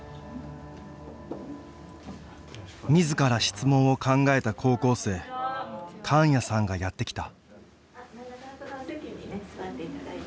自ら質問を考えた高校生神谷さんがやって来た